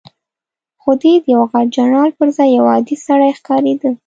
خو دی د یوه غټ جنرال پر ځای یو عادي سړی ښکارېده.